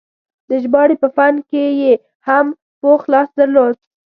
د ژباړې په فن کې یې هم پوخ لاس درلود.